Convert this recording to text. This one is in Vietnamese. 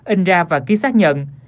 in ra và ký xác nhận